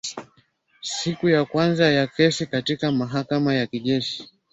Siku ya kwanza ya kesi katika mahakama ya kijeshi